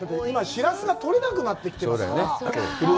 今、しらすがとれなくなってきていますから。